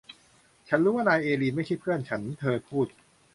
ฉันรู้ว่านายเอลีนไม่ใช่เพื่อนฉันเธอพูด